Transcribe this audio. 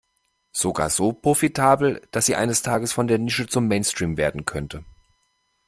Sogar so profitabel, dass sie eines Tages von der Nische zum Mainstream werden könnte.